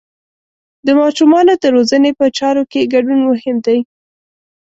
د ماشومانو د روزنې په چارو کې ګډون مهم دی.